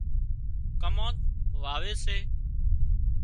ڪمانڌ واوي سي